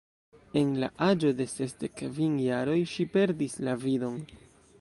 En la aĝo de sesdek kvin jaroj ŝi perdis la vidon.